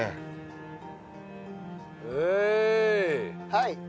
はい。